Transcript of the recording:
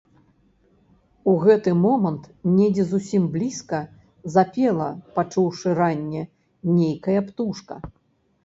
У гэты момант недзе зусім блізка запела, пачуўшы ранне, нейкая птушка.